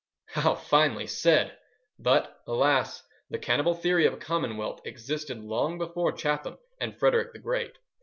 How finely said! But, alas! the cannibal theory of a commonwealth existed long before Chatham and Frederick the Great.